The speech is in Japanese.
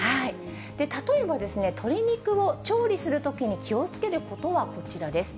例えば鶏肉を調理するときに気をつけることはこちらです。